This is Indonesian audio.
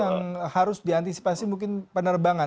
yang harus diantisipasi mungkin penerbangan